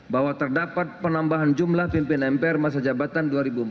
bahwa terdapat penambahan jumlah pimpin mpr masa jabatan dua ribu empat belas dua ribu sembilan belas